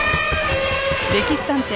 「歴史探偵」